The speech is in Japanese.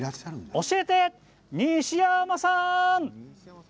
教えて西山さん。